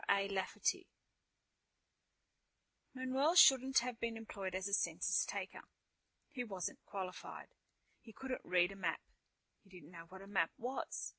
A. LAFFERTY Illustrated by RITTER Manuel shouldn't have been employed as a census taker. He wasn't qualified. He couldn't read a map. He didn't know what a map was.